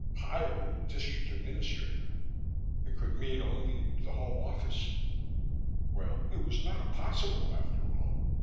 Higher than a District Administrator! It could mean only the Home Office. Well, it was not impossible, after all.